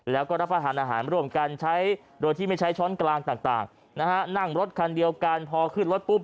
แล้วก็รับประทานอาหารร่วมกันใช้โดยที่ไม่ใช้ช้อนกลางต่างนะฮะนั่งรถคันเดียวกันพอขึ้นรถปุ๊บ